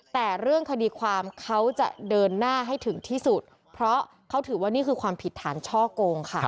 แต่เรื่องคดีความเขาจะเดินหน้าให้ถึงที่สุดเพราะเขาถือว่านี่คือความผิดฐานช่อโกงค่ะ